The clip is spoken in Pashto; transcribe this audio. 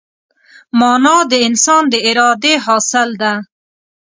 مانا د انسان د ارادې حاصل ده.